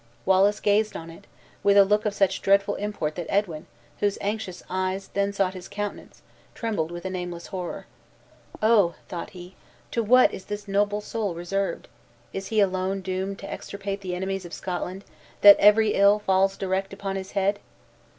Wallace gazed on it, with a look of such dreadful import that Edwin, whose anxious eyes then sought his countenance, trembled with a nameless horror. "Oh," thought he, "to what is this noble soul reserved! Is he alone doomed to extirpate the enemies of Scotland, that every ill falls direct upon his head!"